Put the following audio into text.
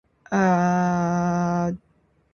Kami bekerja demi perdamaian dunia.